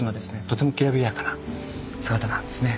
とてもきらびやかな姿なんですね。